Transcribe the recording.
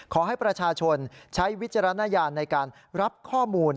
ขอให้ประชาชนใช้วิจารณญาณในการรับข้อมูล